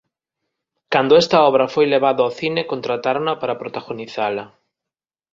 Cando esta obra foi levada ao cine contratárona para protagonizala.